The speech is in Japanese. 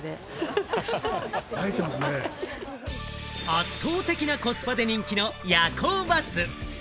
圧倒的なコスパで人気の夜行バス。